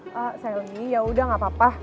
pak selly yaudah gak apa apa